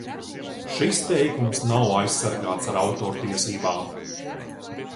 Šis teikums nav aizsargāts ar autortiesībām.